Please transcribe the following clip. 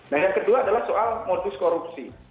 nah yang kedua adalah soal modus korupsi